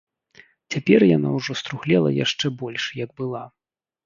Цяпер яна ўжо струхлела яшчэ больш, як была.